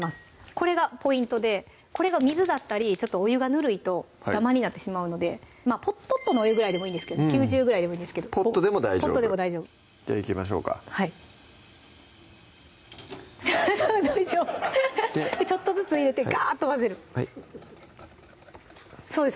これがポイントでこれが水だったりちょっとお湯がぬるいとダマになってしまうのでまぁポットのお湯ぐらいでもいいんですけど９０ぐらいでもポットでも大丈夫ポットでも大丈夫いきましょうかはいちょっとずつ入れてガッと混ぜるそうです